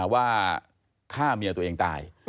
ว่าฆ่าเมียตัวเองตาย